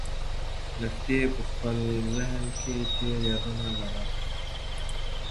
لښتې په خپل ذهن کې تېر یادونه لرل.